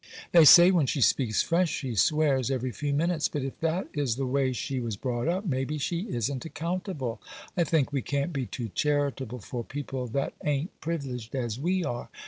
They say when she speaks French she swears every few minutes; but if that is the way she was brought up, maybe she isn't accountable. I think we can't be too charitable for people that a'n't privileged as we are.